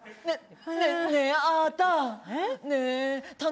えっ？